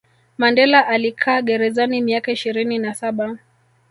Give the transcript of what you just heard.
mandela alikaa gerezani miaka ishirini na saba